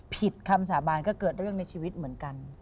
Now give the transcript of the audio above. คำสาบานก็เกิดเรื่องในชีวิตเหมือนกัน